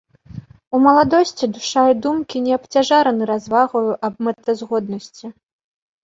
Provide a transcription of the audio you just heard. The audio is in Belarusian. У маладосці душа і думкі не абцяжараны развагаю аб мэтазгоднасці.